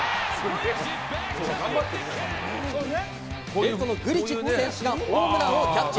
レフトのグリチック選手がホームランをキャッチ。